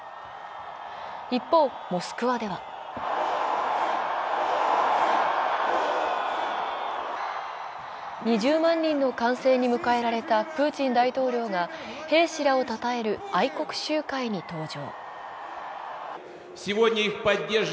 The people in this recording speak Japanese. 一方モスクワでは２０万人の歓声に迎えられたプーチン大統領が兵士らをたたえる愛国集会に登場。